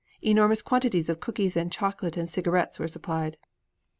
Enormous quantities of cookies and chocolate and cigarettes were supplied.